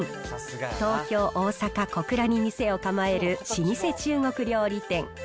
東京、大阪、小倉に店を構える、老舗中国料理店。